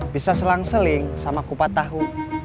bisa selang seling sama kupat tahu